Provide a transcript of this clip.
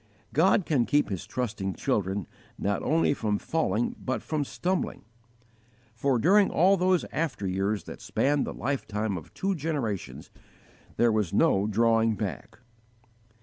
God can keep His trusting children not only from falling but from stumbling; for, during all those after years that spanned the lifetime of two generations, there was no drawing back.